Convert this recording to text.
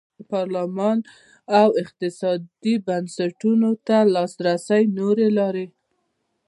پارلمان او اقتصادي بنسټونو ته د لاسرسي نورې لارې.